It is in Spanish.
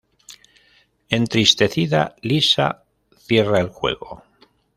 Entristecida, Lisa cierra el juego.